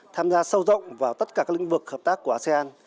tham gia sâu rộng vào tất cả các lĩnh vực hợp tác của asean